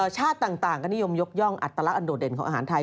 ชาติต่างก็นิยมยกย่องอัตลักษณ์อันโดดเด่นของอาหารไทย